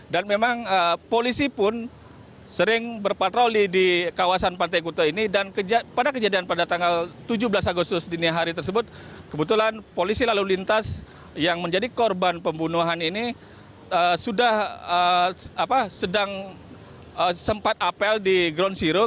dan memang polisi pun sering berpatroli di kawasan pantai kuto ini dan pada kejadian pada tanggal tujuh belas agustus dini hari tersebut kebetulan polisi lalu lintas yang menjadi korban pembunuhan ini sudah sedang sempat apel di ground zero